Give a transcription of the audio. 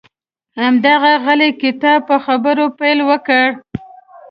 هماغه غلی کتاب په خبرو پیل وکړي.